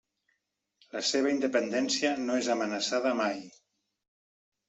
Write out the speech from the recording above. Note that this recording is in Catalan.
La seva independència no és amenaçada mai.